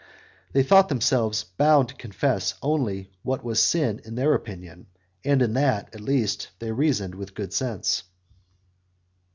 They thought themselves bound to confess only what was a sin in their own opinion, and in that, at least, they reasoned with good sense.